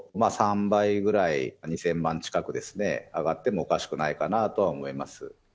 ３倍ぐらい、２０００万近くですね、上がってもおかしくないかなぁとは思います。